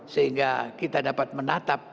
sehingga kita dapat menatap